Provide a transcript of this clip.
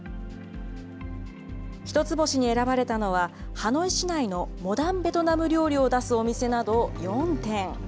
一つ星に選ばれたのは、ハノイ市内のモダンベトナム料理を出すお店など４店。